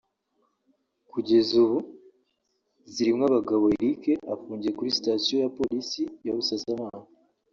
Kugeza ubu Zirimwabagabo Eric afungiye kuri sitasiyo ya Polisi ya Busasamana